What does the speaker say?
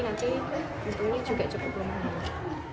nanti untungnya juga cukup lumayan